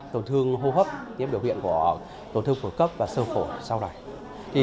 tổn thương hô hấp tiếp biểu hiện của tổn thương phổ cấp và sâu khổ sau này